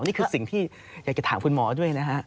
นี่คือสิ่งที่อยากจะถามคุณหมอด้วยนะฮะ